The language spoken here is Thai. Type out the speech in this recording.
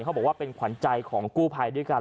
เขาบอกว่าเป็นขวัญใจของกู้ภัยด้วยกัน